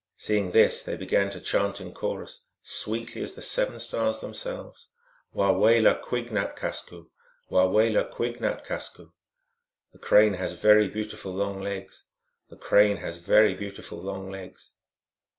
Seeing this, they began to chant in chorus, sweetly as the Seven Stars themselves :" Wa wela quig nat kasqu , Wa wela quig nat kasqu ." (P.) The Crane has very beautiful long legs, The Crane has very beautiful long legs.